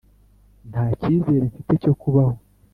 ntacyizere mfite cyo kubaho!